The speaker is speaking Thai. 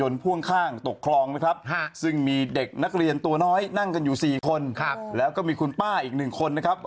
นั่งกันอยู่สี่คนครับแล้วก็มีคุณป้าอีกหนึ่งคนนะครับ